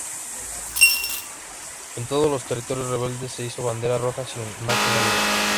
En todos los territorios rebeldes se izó bandera roja sin más añadidos.